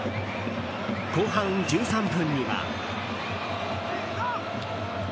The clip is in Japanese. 後半１３分には。